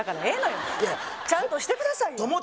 ええよちゃんとしてくださいよ